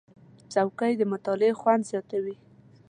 چوکۍ د مطالعې خوند زیاتوي.